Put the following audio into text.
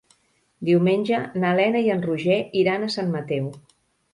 Diumenge na Lena i en Roger iran a Sant Mateu.